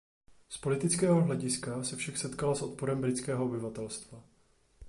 Z politického hlediska se však setkala s odporem britského obyvatelstva.